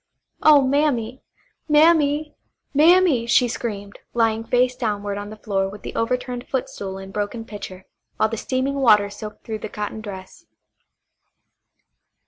"Oh, Mammy! Mammy! Mammy!" she screamed, lying face downward on the floor with the overturned footstool and broken pitcher, while the steaming water soaked through the cotton dress.